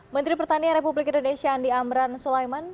menteri pertanian republik indonesia andi amran sulaiman